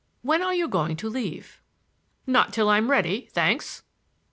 When are you going to leave?" "Not till I'm ready,—thanks!"